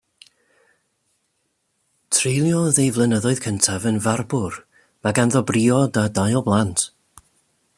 Treuliodd ei flynyddoedd cyntaf yn farbwr; mae ganddo briod a dau o blant.